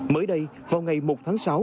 mới đây vào ngày một tháng sáu